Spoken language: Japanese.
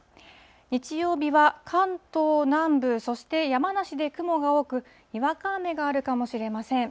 日曜日は関東南部、そして山梨で雲が多く、にわか雨があるかもしれません。